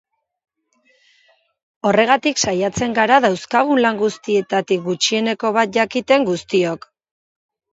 Horregatik saiatzen gara dauzkagun lan guztietatik gutxieneko bat jakiten guztiok.